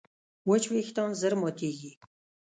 وچ وېښتيان ژر ماتېږي.